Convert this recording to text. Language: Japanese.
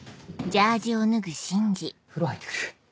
風呂入って来る。